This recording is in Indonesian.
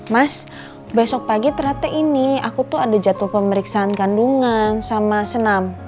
mas besok pagi ternyata ini aku tuh ada jatuh pemeriksaan kandungan sama senam